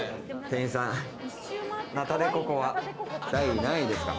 店員さん、ナタデココは第何位ですか？